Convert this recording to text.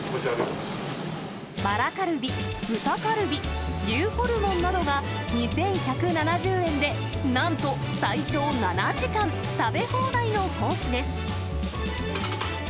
バラカルビ、豚カルビ、牛ホルモンなどが、２１７０円で、なんと最長７時間食べ放題のコースです。